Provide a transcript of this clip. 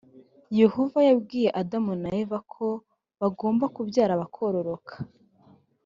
yehova yabwiye adamu na eva ko bagomba kubyara bakororoka